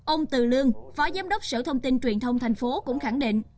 ông từ lương phó giám đốc sở thông tin truyền thông tp hcm cũng khẳng định